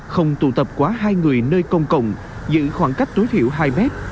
không tụ tập quá hai người nơi công cộng giữ khoảng cách tối thiểu hai mét